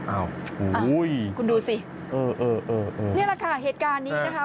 โอ้โหคุณดูสิเออเออนี่แหละค่ะเหตุการณ์นี้นะคะ